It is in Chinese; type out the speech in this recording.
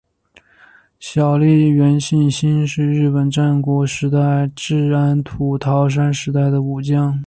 小笠原信兴是日本战国时代至安土桃山时代的武将。